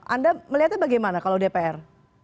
anda melihatnya bagaimana kalau dpr